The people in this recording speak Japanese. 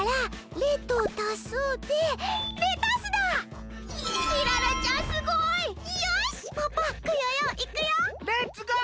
レッツゴー！